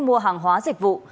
mua hàng hóa dịch vụ